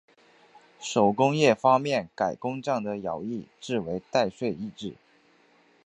手工业方面改工匠的徭役制为代税役制。